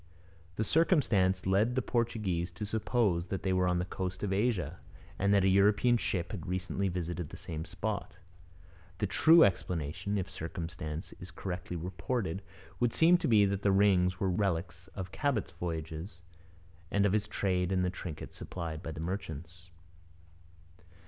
The circumstance led the Portuguese to suppose that they were on the coast of Asia, and that a European ship had recently visited the same spot. The true explanation, if the circumstance is correctly reported, would seem to be that the rings were relics of Cabot's voyages and of his trade in the trinkets supplied by the merchants.